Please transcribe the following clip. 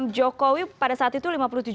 jokowi pada saat itu lima puluh tujuh